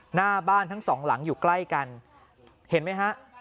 หน้าบ้านทั้งสองหลังอยู่ใกล้กันเห็นไหมฮะ